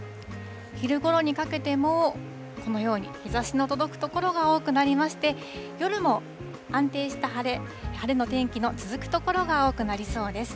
昼ごろにかけても、このように、日ざしの届く所が多くなりまして、夜も安定した晴れの天気の続く所が多くなりそうです。